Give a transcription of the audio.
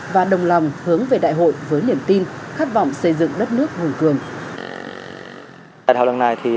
và đồng lòng hướng về đại hội với niềm tin khát vọng xây dựng đất nước hùng cường